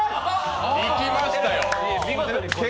いきましたよ。